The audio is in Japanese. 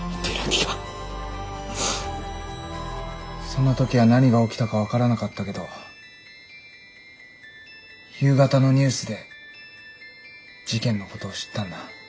その時は何が起きたか分からなかったけど夕方のニュースで事件のことを知ったんだ。